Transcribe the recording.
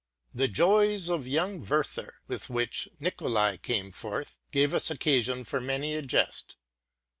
The Joys of Young Werther,"'' with which Nicolai came forth, gave us occasion for many a jest.